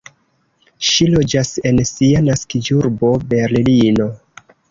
Ŝi loĝas en sia naskiĝurbo Berlino.